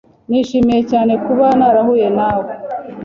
Nishimiye cyane kuba narahuye nawe.